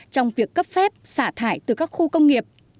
trong việc cấp phép xả thải từ các khu công nghiệp